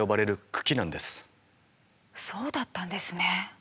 そうだったんですね。